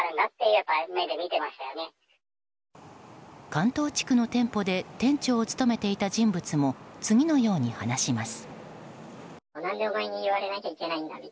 関東地区の店舗で店長を務めていた人物も次のように話します。